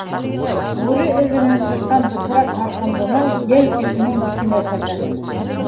Бүре зсенән сыҡҡан бысраҡ һарҡындыны ел кешенең битенә сәпәне.